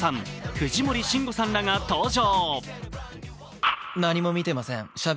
藤森慎吾さんらが登場。